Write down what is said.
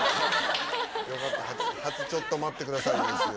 よかった初「ちょっと待ってくださいよ」ですよ。